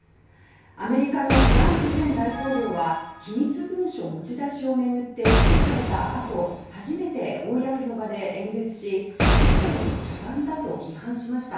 アメリカのトランプ前大統領は機密文書持ち出しを巡って起訴された後初めて公の場で演説し「司法の茶番」だと批判しました。